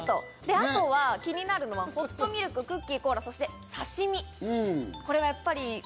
あとは気になるのはホットミルク、クッキー、コーラ、そしてさしみ。